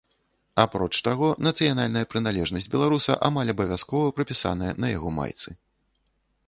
Апроч таго, нацыянальная прыналежнасць беларуса амаль абавязкова прапісаная на яго майцы.